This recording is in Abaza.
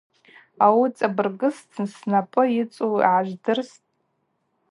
Ауи цӏабыргызтын, снапӏы йыцӏу гӏажвдырстӏ.